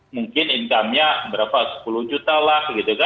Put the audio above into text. mungkin income nya berapa sepuluh juta lah